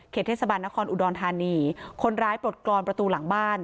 เทศบาลนครอุดรธานีคนร้ายปลดกรอนประตูหลังบ้าน